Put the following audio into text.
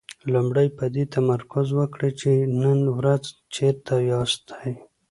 لومړی په دې تمرکز وکړئ چې نن ورځ چېرته ياستئ.